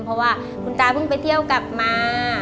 เพราะว่าคุณตาเพิ่งไปเที่ยวกลับมา